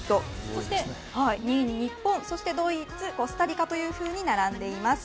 そして２位に日本、ドイツコスタリカというふうに並んでいます。